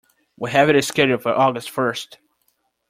We have it scheduled for August first.